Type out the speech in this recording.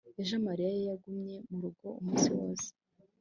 ejo mariya yagumye murugo umunsi wose